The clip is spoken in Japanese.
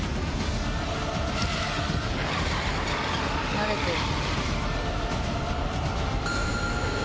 慣れてる。